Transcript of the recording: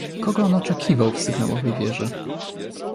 "Kogo on oczekiwał w sygnałowej wieży?"